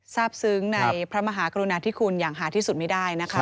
ทราบซึ้งในพระมหากรุณาธิคุณอย่างหาที่สุดไม่ได้นะคะ